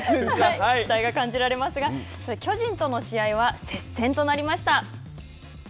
期待が感じられますが巨人との試合は接戦となりました。